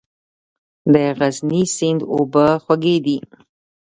د غزني سیند اوبه خوږې دي؟